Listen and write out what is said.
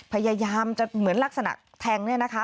พยายามจะเหมือนลักษณะแทงเนี่ยนะคะ